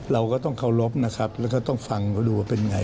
เราก็ต้องเคารพนะครับแล้วก็ต้องฟังเขาดูว่าเป็นไง